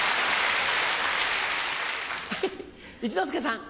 一之輔さん。